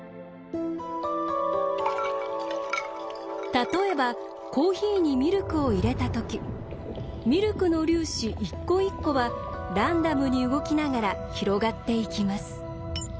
例えばコーヒーにミルクを入れたときミルクの粒子一個一個はランダムに動きながら広がっていきます。